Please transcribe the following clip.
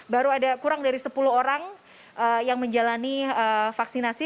baru ada kurang dari sepuluh orang yang menjalani vaksinasi